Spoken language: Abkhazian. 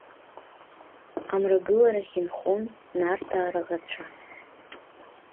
Амрагыларахь инхон Нарҭаа раӷацәа.